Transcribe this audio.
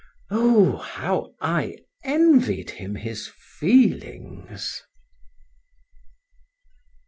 O, how I envied him his feelings!